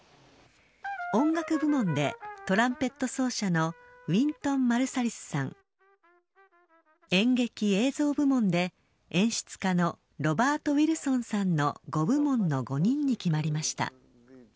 音楽部門でトランペット奏者のウィントン・マルサリスさん演劇・映像部門で演出家のロバート・ウィルソンさんの５部門の５人に決まりました。